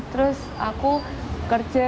terus aku kerja